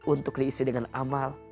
untuk diisi dengan amal